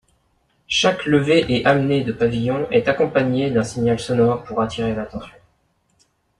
Chaque levée et amenée de pavillon est accompagné d'un signal sonore pour attirer l'attention.